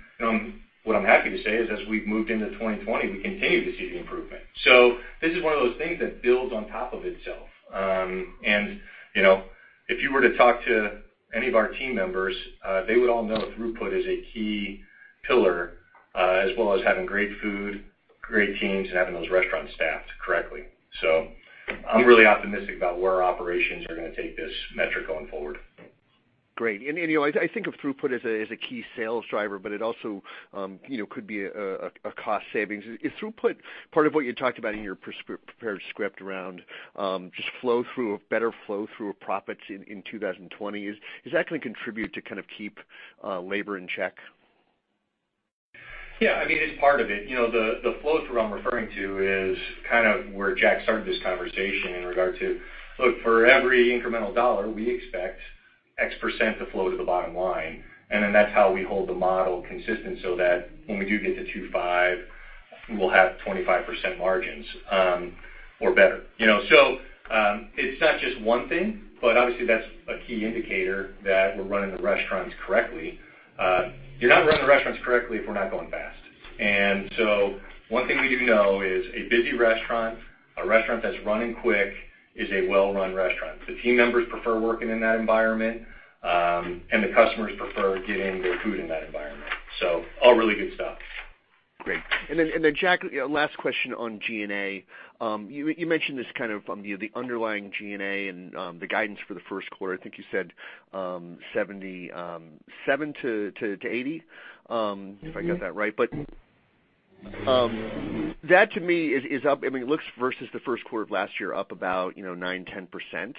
what I'm happy to say is as we've moved into 2020, we continue to see the improvement. This is one of those things that builds on top of itself. If you were to talk to any of our team members, they would all know throughput is a key pillar, as well as having great food, great teams, and having those restaurants staffed correctly. I'm really optimistic about where our operations are going to take this metric going forward. Great. I think of throughput as a key sales driver, but it also could be a cost savings. Is throughput part of what you talked about in your prepared script around just better flow through of profits in 2020? Is that going to contribute to keep labor in check? Yeah, it's part of it. The flow through I'm referring to is where Jack started this conversation in regard to, look, for every incremental dollar, we expect X% to flow to the bottom line. That's how we hold the model consistent so that when we do get to $2.5 million, we'll have 25% margins or better. It's not just one thing, but obviously that's a key indicator that we're running the restaurants correctly. You're not running the restaurants correctly if we're not going fast. One thing we do know is a busy restaurant, a restaurant that's running quick, is a well-run restaurant. The team members prefer working in that environment, and the customers prefer getting their food in that environment. All really good stuff. Great. Jack, last question on G&A. You mentioned this kind of the underlying G&A and the guidance for the first quarter. I think you said $77 million-$80 million, if I got that right. That to me is up, it looks versus the first quarter of last year, up about 9%-10%.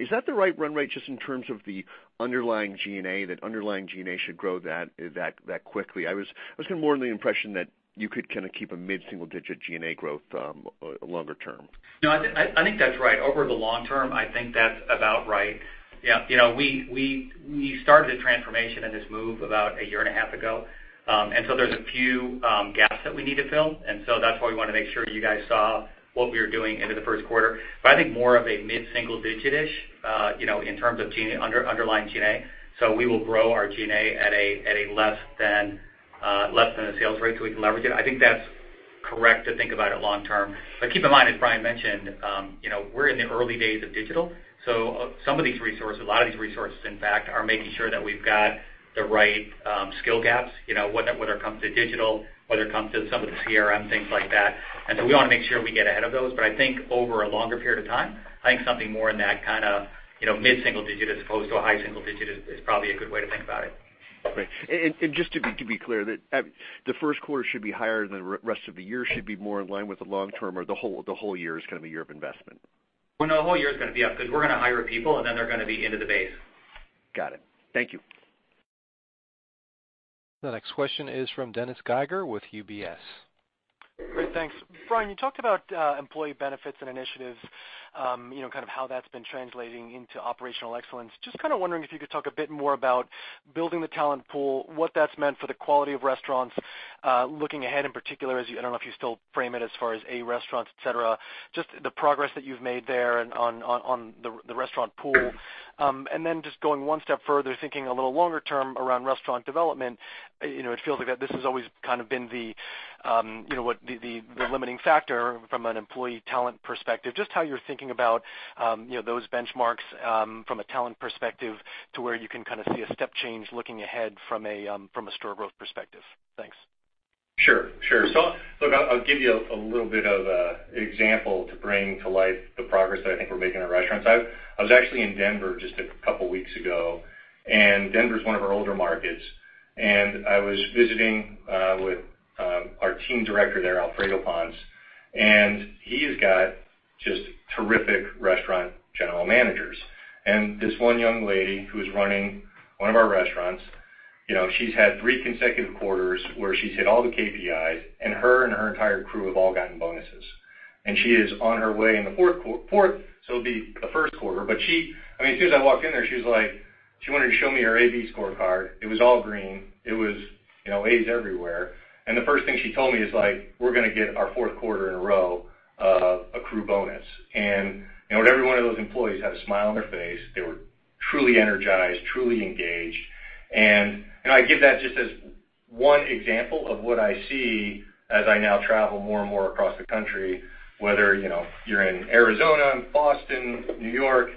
Is that the right run rate just in terms of the underlying G&A, that underlying G&A should grow that quickly? I was more under the impression that you could kind of keep a mid-single-digit G&A growth longer term. No, I think that's right. Over the long term, I think that's about right. Yeah. We started the transformation and this move about a year and a half ago. There's a few gaps that we need to fill. That's why we want to make sure you guys saw what we were doing into the first quarter. I think more of a mid-single-digit-ish, in terms of underlying G&A. We will grow our G&A at a less than the sales rate, so we can leverage it. I think that's correct to think about it long term. Keep in mind, as Brian mentioned, we're in the early days of digital. Some of these resources, a lot of these resources, in fact, are making sure that we've got the right skill gaps, whether it comes to digital, whether it comes to some of the CRM, things like that. We want to make sure we get ahead of those. I think over a longer period of time, I think something more in that kind of mid-single-digit as opposed to a high-single-digit is probably a good way to think about it. Great. Just to be clear, the first quarter should be higher than the rest of the year, should be more in line with the long term or the whole year is going to be a year of investment? Well, no, the whole year is going to be up because we're going to hire people and then they're going to be into the base. Got it. Thank you. The next question is from Dennis Geiger with UBS. Great. Thanks. Brian, you talked about employee benefits and initiatives, kind of how that's been translating into operational excellence. Just kind of wondering if you could talk a bit more about building the talent pool, what that's meant for the quality of restaurants, looking ahead in particular as, I don't know if you still frame it as far as, A, restaurants, et cetera, just the progress that you've made there and on the restaurant pool. Just going one step further, thinking a little longer term around restaurant development, it feels like that this has always kind of been the limiting factor from an employee talent perspective. Just how you're thinking about those benchmarks from a talent perspective to where you can kind of see a step change looking ahead from a store growth perspective. Thanks. Sure. Look, I'll give you a little bit of an example to bring to life the progress that I think we're making in our restaurants. I was actually in Denver just a couple of weeks ago, Denver's one of our older markets. I was visiting with our team director there, Alfredo Ponce. He has got just terrific restaurant general managers. This one young lady who is running one of our restaurants, she's had three consecutive quarters where she's hit all the KPIs, and her and her entire crew have all gotten bonuses. She is on her way in the fourth, so it'll be the first quarter. She, as soon as I walked in there, she was like, she wanted to show me her A/B scorecard. It was all green. It was A's everywhere. The first thing she told me is, "We're going to get our fourth quarter in a row of a crew bonus." Every one of those employees had a smile on their face. They were truly energized, truly engaged. I give that just as one example of what I see as I now travel more and more across the country, whether you're in Arizona, Boston, New York.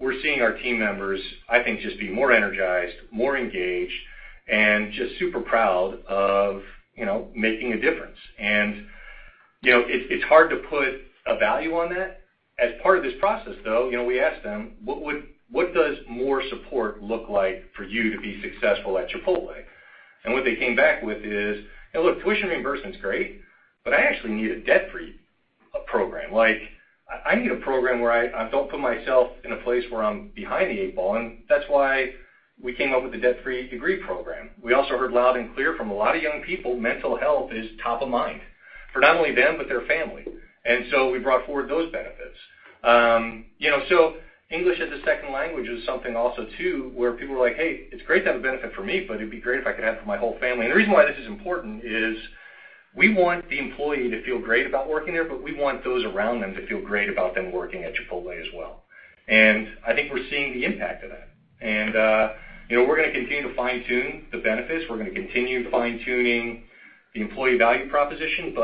We're seeing our team members, I think, just be more energized, more engaged, and just super proud of making a difference. It's hard to put a value on that. As part of this process, though, we asked them, "What does more support look like for you to be successful at Chipotle?" What they came back with is, "Look, tuition reimbursement's great, but I actually need a debt-free program. Like I need a program where I don't put myself in a place where I'm behind the eight ball. That's why we came up with the Debt-Free Degrees program. We also heard loud and clear from a lot of young people, mental health is top of mind for not only them, but their family. We brought forward those benefits. English as a second language is something also, too, where people were like, "Hey, it's great to have a benefit for me, but it'd be great if I could have it for my whole family." The reason why this is important is We want the employee to feel great about working there, but we want those around them to feel great about them working at Chipotle as well. I think we're seeing the impact of that. We're going to continue to fine-tune the benefits. We're going to continue fine-tuning the employee value proposition.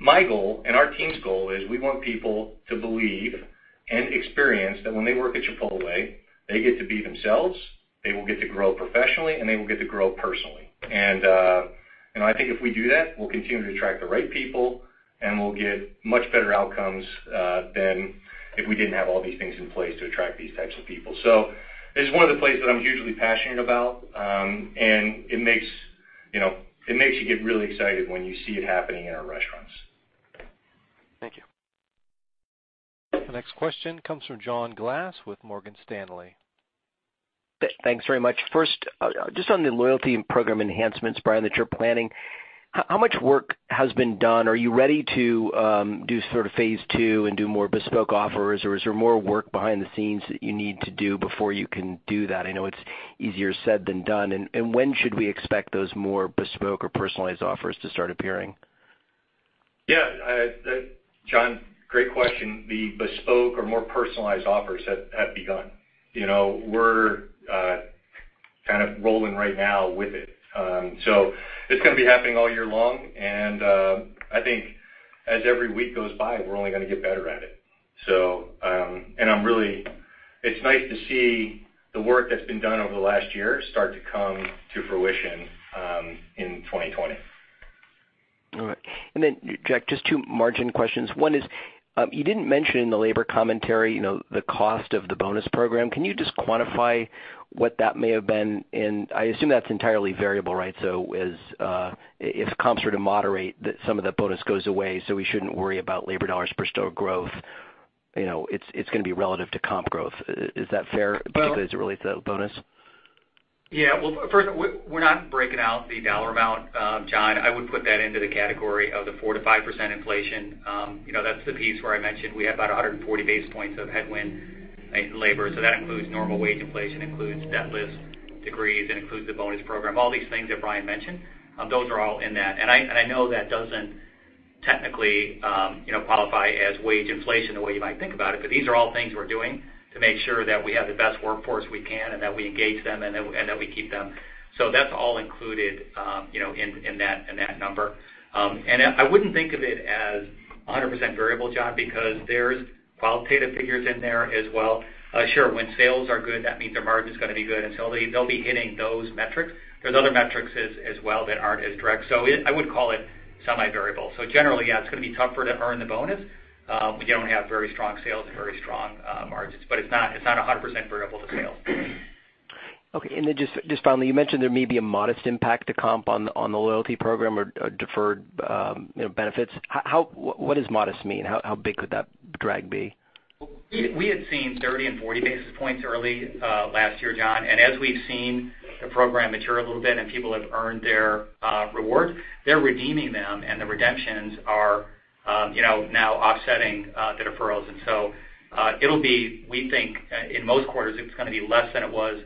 My goal and our team's goal is we want people to believe and experience that when they work at Chipotle, they get to be themselves, they will get to grow professionally, and they will get to grow personally. I think if we do that, we'll continue to attract the right people, and we'll get much better outcomes than if we didn't have all these things in place to attract these types of people. It's one of the places that I'm hugely passionate about. It makes you get really excited when you see it happening in our restaurants. Thank you. The next question comes from John Glass with Morgan Stanley. Thanks very much. First, just on the loyalty and program enhancements, Brian, that you're planning, how much work has been done? Are you ready to do phase two and do more bespoke offers or is there more work behind the scenes that you need to do before you can do that? I know it's easier said than done. When should we expect those more bespoke or personalized offers to start appearing? Yeah. John, great question. The bespoke or more personalized offers have begun. We're kind of rolling right now with it. It's going to be happening all year long, and I think as every week goes by, we're only going to get better at it. It's nice to see the work that's been done over the last year start to come to fruition in 2020. All right. Jack, just two margin questions. One is, you didn't mention in the labor commentary, the cost of the bonus program. Can you just quantify what that may have been? I assume that's entirely variable, right? If comps were to moderate, some of that bonus goes away, so we shouldn't worry about labor dollars per store growth. It's going to be relative to comp growth. Is that fair, particularly as it relates to the bonus? Well, first, we're not breaking out the dollar amount, John. I would put that into the category of the 4%-5% inflation. That's the piece where I mentioned we have about 140 basis points of headwind in labor. That includes normal wage inflation, includes Debt-Free Degrees, and includes the bonus program. All these things that Brian mentioned, those are all in that. I know that doesn't technically qualify as wage inflation the way you might think about it, but these are all things we're doing to make sure that we have the best workforce we can and that we engage them and that we keep them. That's all included in that number. I wouldn't think of it as 100% variable, John, because there's qualitative figures in there as well. Sure, when sales are good, that means their margin's going to be good. They'll be hitting those metrics. There's other metrics as well that aren't as direct. I would call it semi-variable. Generally, yeah, it's going to be tougher to earn the bonus. We generally have very strong sales and very strong margins, but it's not 100% variable to sales. Finally, you mentioned there may be a modest impact to comp on the loyalty program or deferred benefits. What does modest mean? How big could that drag be? We had seen 30 and 40 basis points early last year, John, and as we've seen the program mature a little bit and people have earned their rewards, they're redeeming them, and the redemptions are now offsetting the deferrals. It'll be, we think, in most quarters, it's going to be less than it was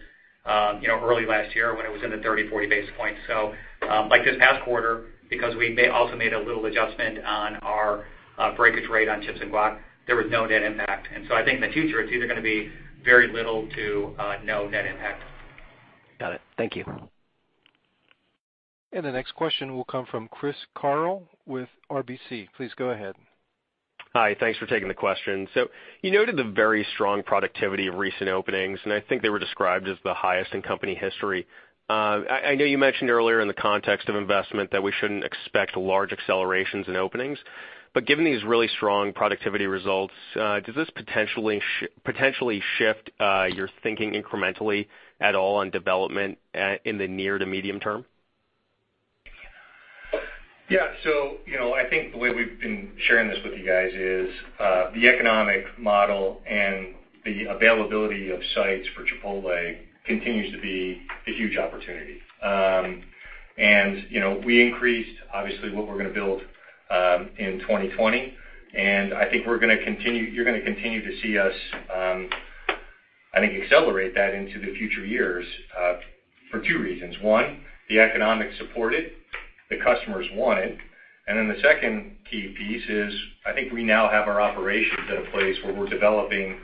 early last year when it was in the 30, 40 basis points. Like this past quarter, because we also made a little adjustment on our breakage rate on chips and guac, there was no net impact. I think in the future, it's either going to be very little to no net impact. Got it. Thank you. The next question will come from Chris Carril with RBC. Please go ahead. Hi. Thanks for taking the question. You noted the very strong productivity of recent openings, and I think they were described as the highest in company history. I know you mentioned earlier in the context of investment that we shouldn't expect large accelerations in openings, but given these really strong productivity results, does this potentially shift your thinking incrementally at all on development in the near to medium term? Yeah. I think the way we've been sharing this with you guys is the economic model and the availability of sites for Chipotle continues to be a huge opportunity. We increased obviously what we're going to build in 2020, and I think you're going to continue to see us, I think, accelerate that into the future years for two reasons. One, the economics support it, the customers want it, the second key piece is I think we now have our operations at a place where we're developing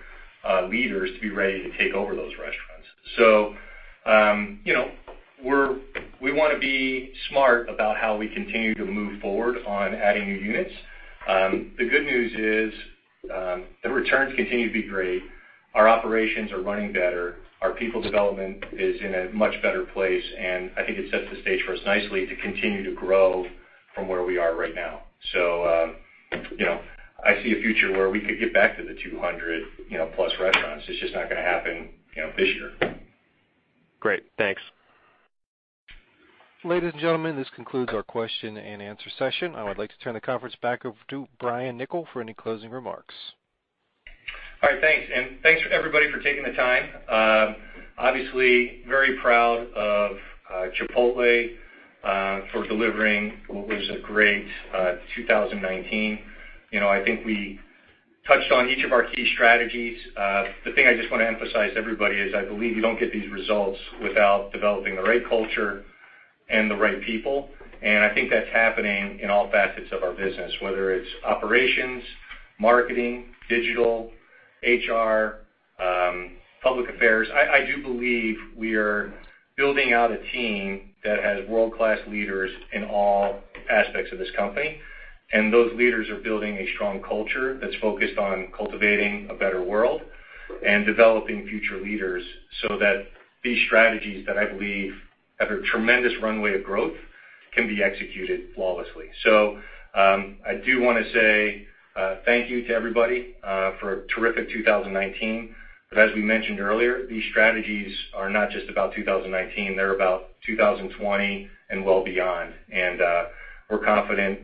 leaders to be ready to take over those restaurants. We want to be smart about how we continue to move forward on adding new units. The good news is the returns continue to be great. Our operations are running better. Our people development is in a much better place, and I think it sets the stage for us nicely to continue to grow from where we are right now. I see a future where we could get back to the 200+ restaurants. It's just not going to happen this year. Great. Thanks. Ladies and gentlemen, this concludes our question-and-answer session. I would like to turn the conference back over to Brian Niccol for any closing remarks. All right. Thanks. Thanks everybody for taking the time. Obviously very proud of Chipotle for delivering what was a great 2019. I think we touched on each of our key strategies. The thing I just want to emphasize to everybody is I believe you don't get these results without developing the right culture and the right people, and I think that's happening in all facets of our business, whether it's operations, marketing, digital, HR, public affairs. I do believe we are building out a team that has world-class leaders in all aspects of this company, and those leaders are building a strong culture that's focused on cultivating a better world and developing future leaders so that these strategies that I believe have a tremendous runway of growth can be executed flawlessly. I do want to say thank you to everybody for a terrific 2019. As we mentioned earlier, these strategies are not just about 2019, they're about 2020 and well beyond. We're confident,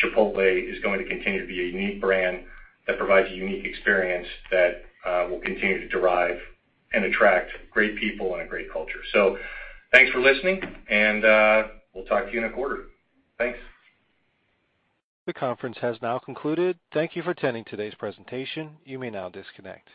Chipotle is going to continue to be a unique brand that provides a unique experience that will continue to drive and attract great people and a great culture. Thanks for listening and we'll talk to you in a quarter. Thanks. The conference has now concluded. Thank you for attending today's presentation. You may now disconnect.